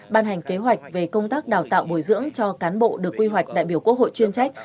ban hành kế hoạch về công tác đào tạo bồi dưỡng cho cán bộ được quy hoạch đại biểu quốc hội chuyên trách